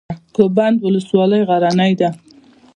کوه بند ولسوالۍ غرنۍ ده؟